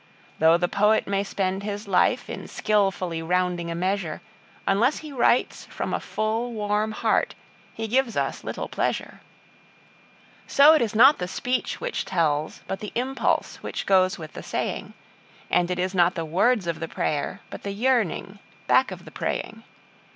Though the poet may spend his life in skilfully rounding a measure, Unless he writes from a full, warm heart he gives us little pleasure. So it is not the speech which tells, but the impulse which goes with the saying; And it is not the words of the prayer, but the yearning back of the praying.